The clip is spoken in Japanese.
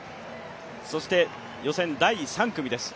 そして予選第３組です。